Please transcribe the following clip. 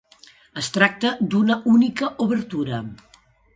Es tracta d'una única obertura.